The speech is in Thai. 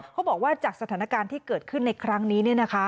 เขาบอกว่าจากสถานการณ์ที่เกิดขึ้นในครั้งนี้